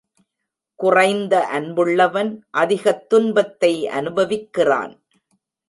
குறைந்த அன்புள்ளவன் அதிகத் துன்பத்தை அனுபவிக்கிறான்.